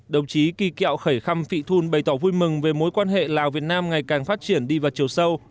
đồng chí kỳ kẹo khẩy khăm phị thun bày tỏ vui mừng về mối quan hệ lào việt nam ngày càng phát triển đi vào chiều sâu